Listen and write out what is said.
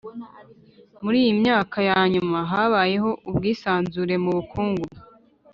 muri iyi myaka ya nyuma, habayeho ubwisanzure mu bukungu